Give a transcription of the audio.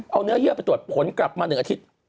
เอาเนื้อเยื่อไปตรวจผลกลับมา๑อาทิตย์